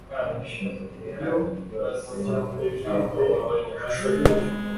iyo, kugirango wirinde ishusho y'urupfu